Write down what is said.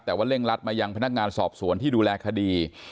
แต่ว่าเร่งรัดมายังพนักงานสอบสวนที่ดูแลคดี